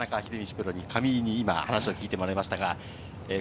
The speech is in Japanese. プロに、上井選手に聞いてもらいました。